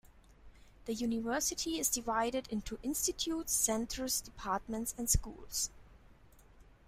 The university is divided into institutes, centres, departments and schools.